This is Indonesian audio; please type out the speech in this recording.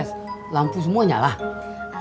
s temple yivi rumah yerah tua saya